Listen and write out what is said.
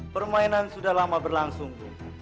permainan sudah lama berlangsung